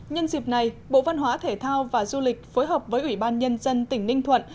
nhân dịp này bộ văn hóa thể thao và du lịch phối hợp với ủy ban nhân dân tỉnh ninh thuận